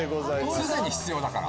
常に必要だから。